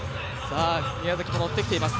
宮崎ものってきています。